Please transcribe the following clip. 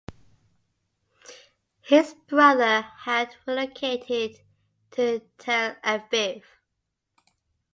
His brother had relocated to Tel Aviv.